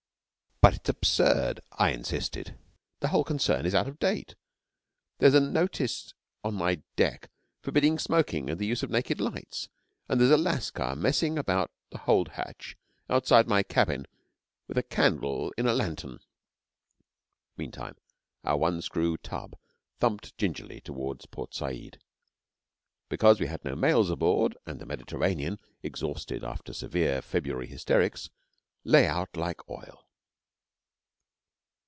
'But it's absurd,' I insisted. 'The whole concern is out of date. There's a notice on my deck forbidding smoking and the use of naked lights, and there's a lascar messing about the hold hatch outside my cabin with a candle in a lantern.' Meantime, our one screw tub thumped gingerly toward Port Said, because we had no mails aboard, and the Mediterranean, exhausted after severe February hysterics, lay out like oil.